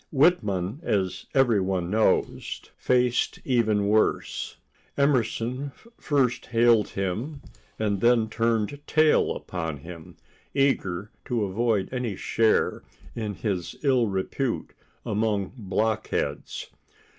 Whitman, as every one knows, fared even worse. Emerson first hailed him and then turned tail upon him, eager to avoid any share in his ill repute among blockheads.